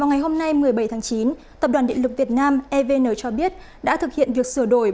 ngày hôm nay một mươi bảy tháng chín tập đoàn điện lực việt nam evn cho biết đã thực hiện việc sửa đổi